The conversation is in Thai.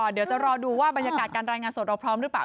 เดี๋ยวจะรอดูว่าบรรยากาศการรายงานสดเราพร้อมหรือเปล่า